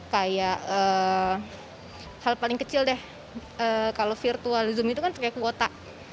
kayak hal paling kecil deh kalau virtual zoom itu kan kayak kuota